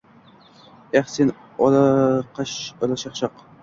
Eh, sen, olashaqshaq!”